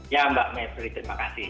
ya mbak maifri terima kasih